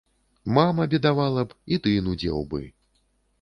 Мама бедавала б, і ты нудзеў бы.